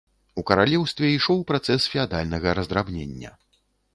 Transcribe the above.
У каралеўстве ішоў працэс феадальнага раздрабнення.